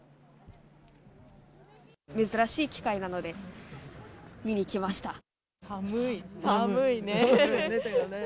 珍しい機会なので、見に来ま寒い。